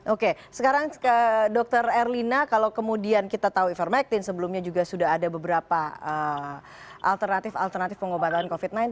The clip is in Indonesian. oke sekarang ke dr erlina kalau kemudian kita tahu ivermectin sebelumnya juga sudah ada beberapa alternatif alternatif pengobatan covid sembilan belas